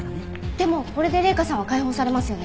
でもこれで麗華さんは解放されますよね？